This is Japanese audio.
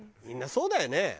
みんなそうだよね。